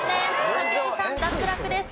武井さん脱落です。